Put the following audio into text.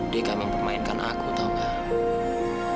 deka mempermainkan aku tau gak